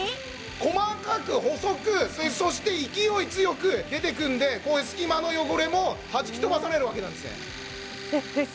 細かく細くそして勢い強く出てくるんでこういう隙間の汚れもはじき飛ばされるわけなんですねえっえっ